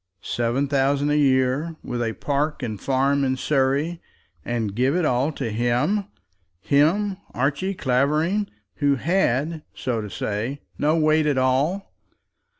Seven thousand a year, with a park and farm in Surrey, and give it all to him, him, Archie Clavering, who had, so to say, no weight at all!